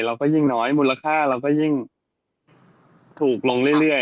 เราก็ยิ่งน้อยมูลค่าเราก็ยิ่งถูกลงเรื่อย